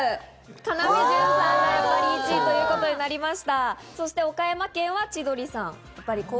要潤さんが１位ということになりました。